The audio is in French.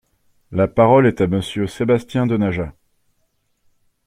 La parole est à Monsieur Sébastien Denaja.